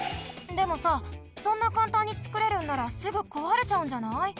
でもさそんなかんたんにつくれるんならすぐこわれちゃうんじゃない？